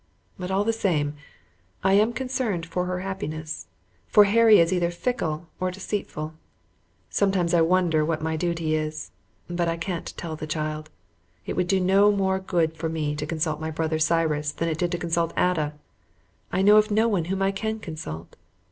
But all the same, I am concerned for her happiness, for Harry is either fickle or deceitful. Sometimes I wonder what my duty is, but I can't tell the child. It would do no more good for me to consult my brother Cyrus than it did to consult Ada. I know of no one whom I can consult.